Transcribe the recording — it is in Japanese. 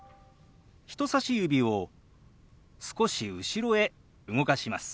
人さし指を少し後ろへ動かします。